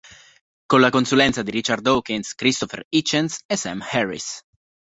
Con la consulenza di Richard Dawkins, Christopher Hitchens e Sam Harris.